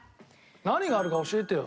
何があるか教えてよ